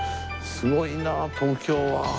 すごいなあ東京は。